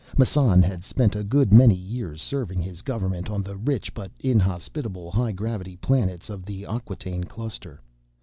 Massan had spent a good many years serving his government on the rich but inhospitable high gravity planets of the Acquataine Cluster.